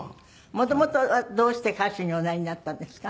元々はどうして歌手におなりになったんですか？